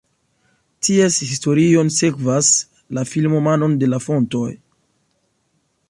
Ties historion sekvas la filmo Manon de la fontoj.